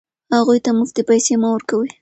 هغوی ته مفتې پیسې مه ورکوئ.